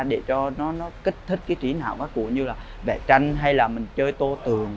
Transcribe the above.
để cho nó kích thích cái trí đạo các cụ như là vẽ tranh hay là mình chơi tô tường